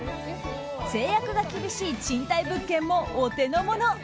制約が厳しい賃貸物件もお手のもの。